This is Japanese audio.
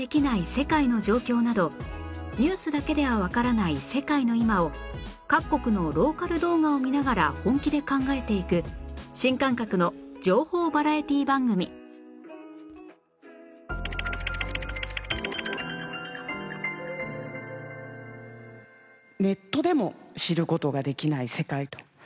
世界の状況などニュースだけではわからない世界の今を各国のローカル動画を見ながら本気で考えていく新感覚の情報バラエティー番組だと思いました。